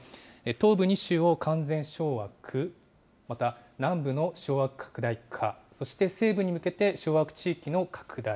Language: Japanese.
東部２州を完全掌握、また、南部の掌握拡大か、そして西部に向けて掌握地域の拡大。